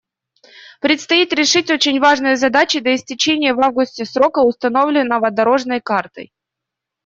Предстоит решить очень важные задачи до истечения в августе срока, установленного «дорожной картой».